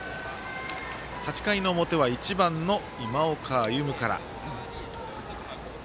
８回の表は１番の今岡歩夢から。